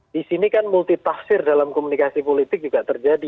di sini kan multitafsir dalam komunikasi politik juga terjadi